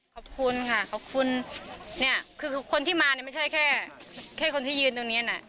ขอบคุณค่ะขอบคุณคือคนที่มาไม่ใช่แค่คนที่ยืนตรงนี้นะ